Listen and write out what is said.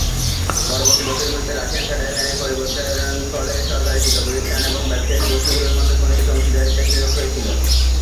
পরবর্তী বছরগুলিতে, Russian federal আইনের পরিবর্তনের ফলে সরকারি শিক্ষাপ্রতিষ্ঠান এবং ব্যবসায়িক গোষ্ঠীগুলির মধ্যে ঘনিষ্ঠ অংশীদারিত্বের সুযোগ হয়েছিল।